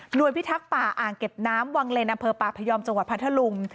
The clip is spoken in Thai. โดยพิทักษ์ป่าอ่างเก็บน้ำวังเลนอำเภอป่าพยอมจังหวัดพัทธลุง